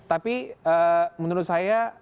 tapi menurut saya